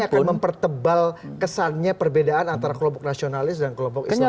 ini akan mempertebal kesannya perbedaan antara kelompok nasionalis dan kelompok islam